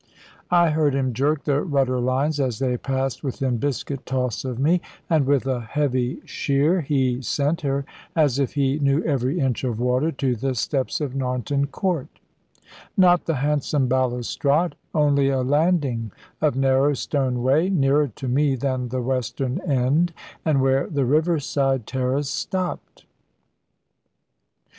I heard him jerk the rudder lines, as they passed within biscuit toss of me, and with a heavy sheer he sent her, as if he knew every inch of water, to the steps of Narnton Court: not the handsome balustrade, only a landing of narrow stone way nearer to me than the western end, and where the river side terrace stopped.